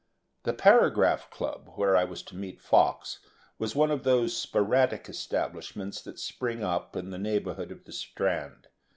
The Paragraph Club, where I was to meet Fox, was one of those sporadic establishments that spring up in the neighbourhood of the Strand.